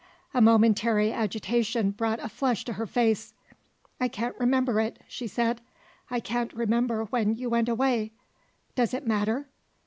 A momentary agitation brought a flush to her face. "I can't remember it," she said; "I can't remember when you went away: does it matter?"